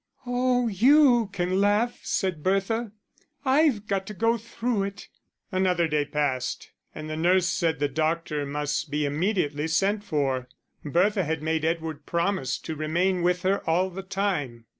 "Oh, you can laugh," said Bertha. "I've got to go through it." Another day passed, and the nurse said the doctor must be immediately sent for. Bertha had made Edward promise to remain with her all the time.